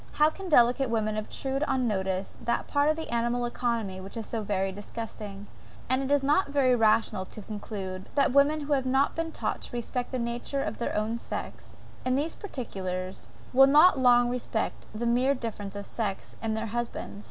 How can DELICATE women obtrude on notice that part of the animal economy, which is so very disgusting? And is it not very rational to conclude, that the women who have not been taught to respect the human nature of their own sex, in these particulars, will not long respect the mere difference of sex, in their husbands?